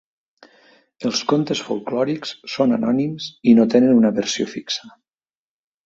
Els contes folklòrics són anònims i no tenen una versió fixa.